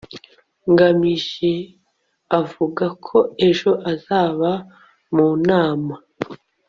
nganji avuga ko ejo azaba mu nama